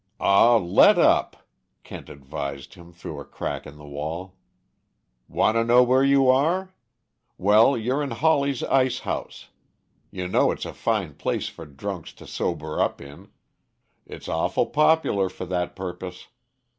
"Aw, let up," Kent advised him, through a crack in the wall. "Want to know where you are? Well, you're in Hawley's ice house; you know it's a fine place for drunks to sober up in; it's awful popular for that purpose.